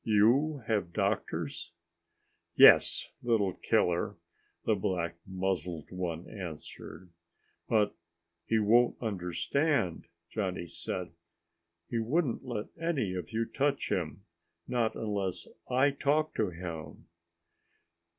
"You have doctors?" "Yes, little killer," the black muzzled one answered. "But he won't understand," Johnny said. "He wouldn't let any of you touch him not unless I talk to him."